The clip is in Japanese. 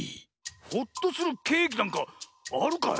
ほっとするケーキなんかあるかい？